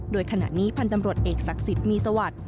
โดยขณะนี้พันธ์ตำรวจเอกศักดิ์สิทธิ์มีสวัสดิ์